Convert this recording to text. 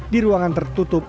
di ruangan tertutup